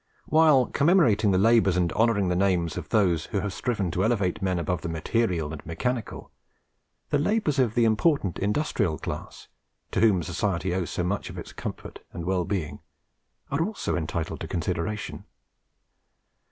While commemorating the labours and honouring the names of those who have striven to elevate man above the material and mechanical, the labours of the important industrial class to whom society owes so much of its comfort and well being are also entitled to consideration.